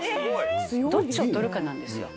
どっちを取るかなんですよ。